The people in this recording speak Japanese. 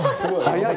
早い！